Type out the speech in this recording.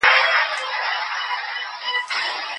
خو نثري کيسې مي ډېرې خوښې دي.